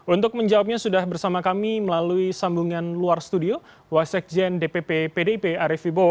untuk menjawabnya sudah bersama kami melalui sambungan luar studio wasekjen dpp pdip arief ibo